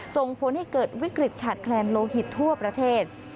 ส่งผลให้เกิดวิกฤตขาดแคลนโลหิตทั่วประเทศ